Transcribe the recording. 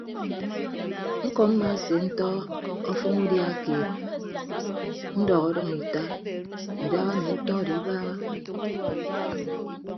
Ñkọ mmaasentọ ọfʌñ udia keed ndọk ọdʌñ ita idaha emi utọ odo ibaaha.